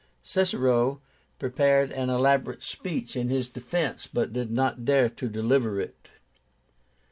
Cicero prepared an elaborate speech in his defence, but did not dare to deliver it.